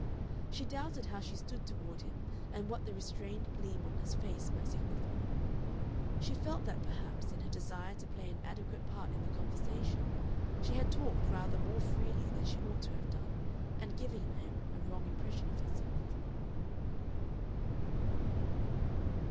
She doubted how she stood toward him and what the restrained gleam of his face might signify. She felt that perhaps, in her desire to play an adequate part in the conversation, she had talked rather more freely than she ought to have done, and given him a wrong impression of herself.